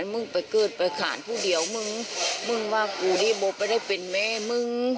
มึงไปเกิดไปขานผู้เดียวมึงมึงว่ากูนี่บอกไม่ได้เป็นแม่มึง